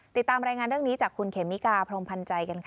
ติดตามรายงานเรื่องนี้จากคุณเขมิกาพรมพันธ์ใจกันค่ะ